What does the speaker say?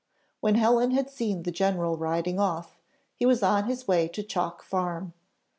When Helen had seen the general riding off, he was on his way to Chalk Farm.